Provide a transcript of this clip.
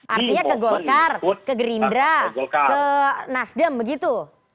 artinya ke golkar ke gerindra ke nasdem begitu